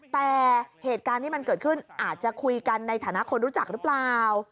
แต่เหตุการณ์ที่มันเกิดขึ้นอาจจะคุยกันในฐานะคนรู้จักหรือเปล่า